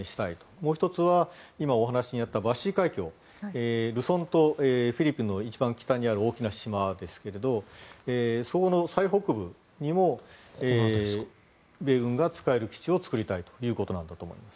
もう１つは今、お話にあったバシー海峡ルソン島フィリピンの一番北にある大きな島ですがそこの最北部にも米軍が使える基地を作りたいということなんだと思います。